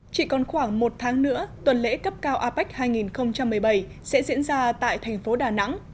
chỉ còn khoảng một tháng nữa tuần lễ cấp cao apec hai nghìn một mươi bảy sẽ diễn ra tại thành phố đà nẵng